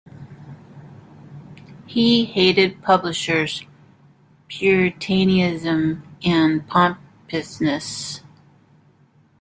He hated publishers, puritanism and pompousness.